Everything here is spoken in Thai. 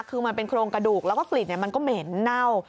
คือมันเป็นโครงกระดูกแล้วก็กลิ่นมันก็เหม็นเน่า